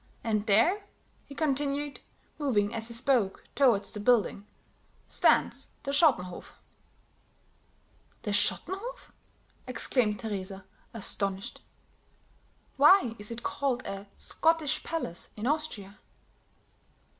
And there," he continued, moving as he spoke toward the building, "stands the Schottenhof." "The Schottenhof?" exclaimed Teresa, astonished. "Why is it called a Scottish palace in Austria?"